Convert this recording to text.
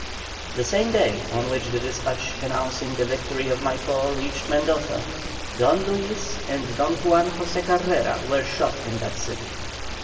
The same day on which the despatch announcing the victory of Maipó reached Mendoza, Don Luis and Don Juan José Carrera were shot in that city.